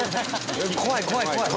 怖い怖い怖い。